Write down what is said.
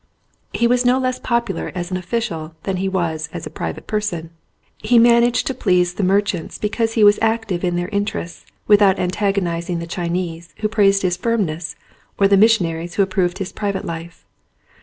He was no less popular as an official than he was as a private person. He managed to please the merchants because he was active in their interests, without antagonising the Chinese who praised his firmness or the missionaries who approved his private life.